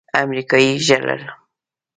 امريکايي ژړل.